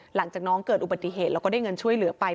หลังจากน้องเกิดอุบัติเหตุแล้วก็ได้เงินช่วยเหลือไป